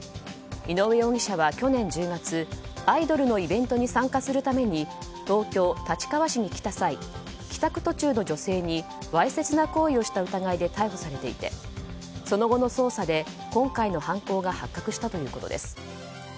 井上容疑者は去年１０月アイドルのイベントに参加するために東京・立川市に来た際帰宅途中の女性にわいせつな行為をした疑いで逮捕されていてその後の捜査で今回の犯行が発覚したということです。